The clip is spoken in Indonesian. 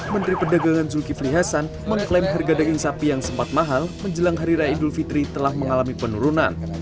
menteri perdagangan zulkifli hasan mengklaim harga daging sapi yang sempat mahal menjelang hari raya idul fitri telah mengalami penurunan